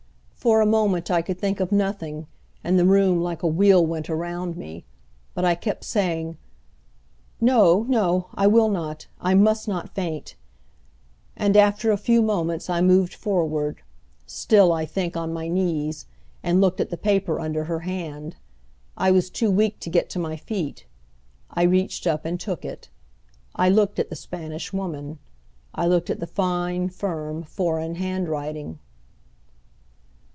For a moment I could think of nothing and the room like a wheel went around me; but I kept saying, "No, no! I will not, I must not faint!" and after a few moments I moved forward, still, I think, on my knees, and looked at the paper under her hand. I was too weak to get to my feet. I reached up and took it. I looked at the Spanish Woman. I looked at the fine, firm, foreign handwriting.